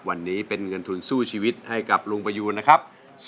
วันนี้เป็นเงินทุนสู้ชีวิตให้กับลุงประยูนนะครับ